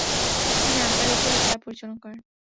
তিনি আম্পায়ার হিসেবে খেলা পরিচালনা করেন।